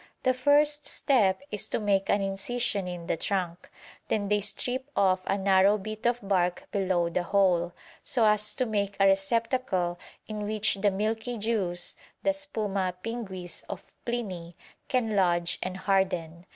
The first step is to make an incision in the trunk, then they strip off a narrow bit of bark below the hole, so as to make a receptacle in which the milky juice, the spuma pinguis of Pliny, can lodge and harden.